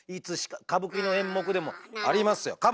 歌舞伎の演目でもありますよ。